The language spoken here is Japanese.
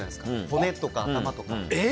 骨とか、頭とか。